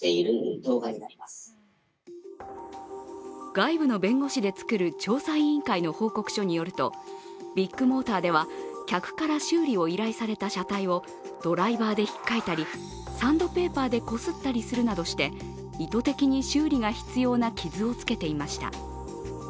外部の弁護士で作る調査委員会の報告書によると、ビッグモーターでは、客から修理を依頼された車体をドライバーでひっかいたり、サンドペーパーでこすったりするなどして意図的に修理が必要な傷をつけていました。